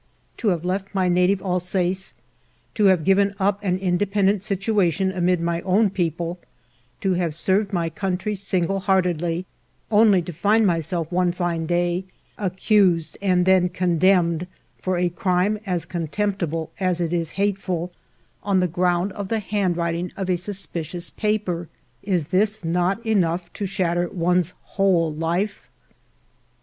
To have left my native Alsace, to have given up an independent situation amid my own people, to have served my country single heartedly, only to find myself one fine day accused and then con demned for a crime as contemptible as it is hateful, on the ground of the handwriting of a suspicious paper, — is this not enough to shatter one's whole life